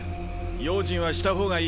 用心はした方がいい。